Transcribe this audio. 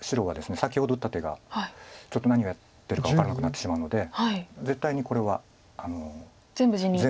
先ほど打った手がちょっと何をやってるか分からなくなってしまうので絶対にこれは全部地にしにきます。